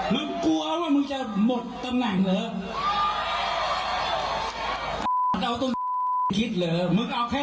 มึงกลัวว่ามึงชนหมดตรงหน่างเหรอ